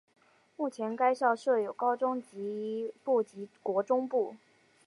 目前该校设有高中部及国中部。